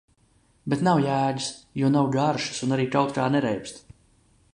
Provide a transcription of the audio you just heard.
Bet nav jēgas, jo nav garšas un arī kaut kā nereibst.